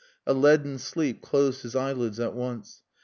A leaden sleep closed his eyelids at once.